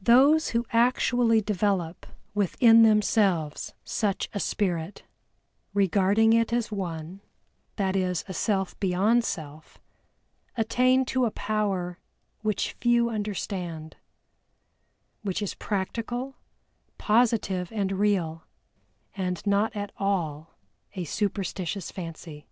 Those who actually develop within themselves such a spirit, regarding it as one, that is a self beyond self, attain to a power which few understand, which is practical, positive, and real, and not at all a superstitious fancy.